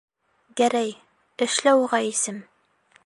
Гәрәй, эшлә уға исем.